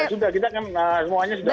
ya sudah kita kan semuanya sudah clear